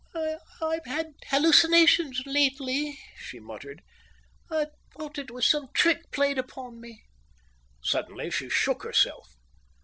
"I've had hallucinations lately," she muttered. "I thought it was some trick played upon me." Suddenly she shook herself.